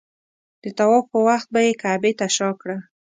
د طواف په وخت به یې کعبې ته شا کړه.